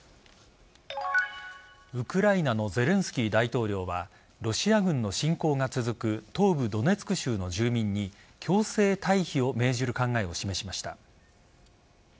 ウクライナのゼレンスキー大統領はロシア軍の侵攻が続く東部・ドネツク州の住民に強制退避を命じる考えを示しました。